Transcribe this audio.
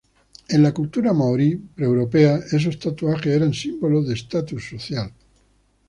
En la cultura maorí pre-europea, esos tatuajes eran símbolos de estatus social.